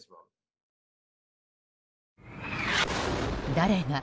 誰が？